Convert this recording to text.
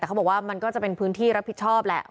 แต่เขาบอกว่ามันก็จะเป็นพื้นที่รับผิดชอบแหละ